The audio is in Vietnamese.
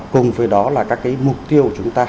cùng với đó là các cái mục tiêu của chúng ta